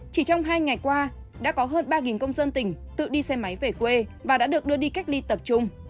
chỉ trong hai ngày qua đã có hơn ba công dân tỉnh tự đi xe máy về quê và đã được đưa đi cách ly tập trung